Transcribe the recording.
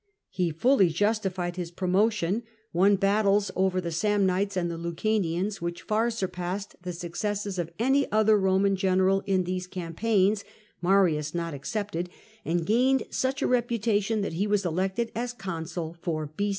He fully justified his promotion, won battles over the Sam nites and the Lucanians which far surpassed the successes of any other Eoman general in these campaigns, Marius not excepted, and gained such a reputation that he was elected as consul for B.